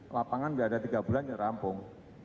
lapangan sudah ada tiga bulan ya rampung